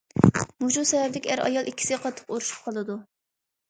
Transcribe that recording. مۇشۇ سەۋەبلىك ئەر- ئايال ئىككىسى قاتتىق ئۇرۇشۇپ قالىدۇ.